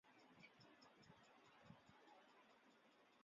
本鱼胸鳍发育完全。